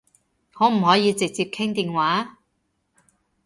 可唔可以直接傾電話？